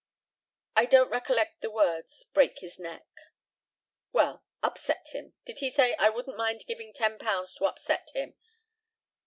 I don't recollect the words "break his neck." Well, "upset him." Did he say, "I wouldn't mind giving £10 to upset him?"